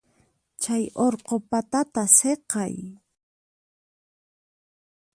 Chay urqu patata siqay.